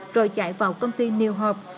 rồi chạy vào công ty new hope